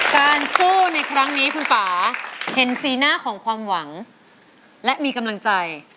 การสู้ในครั้งนี้คุณป่าเห็นสีหน้าของความหวังและมีกำลังใจ